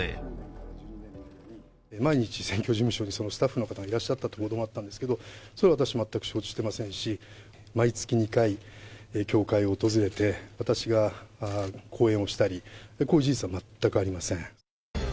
毎日、選挙事務所にスタッフの方がいらっしゃったという報道があったんですけど、それは私、全く承知していませんし、毎月２回、教会を訪れて、私が講演をしたり、こういう事実は全くありません。